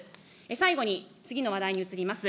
最後に、次の話題に移ります。